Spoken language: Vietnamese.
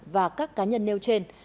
và các cá nhân nêu trên